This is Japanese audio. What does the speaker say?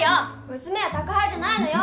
娘は宅配じゃないのよ！